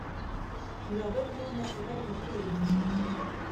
Mais leur bonne humeur naturelle reprit le dessus.